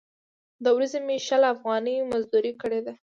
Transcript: د ورځې مې شل افغانۍ مزدورۍ کړې ده.